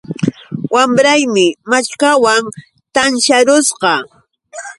Wamraymi maćhkawan tansharusqa